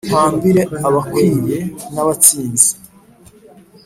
Ntambire Abakwiye n’Abatsinzi,